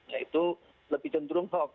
nah itu lebih jendrung hoax